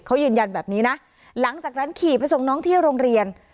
เขายืนยันแบบนี้นะหลังจากนั้นขี่ไปส่งน้องที่โรงเรียน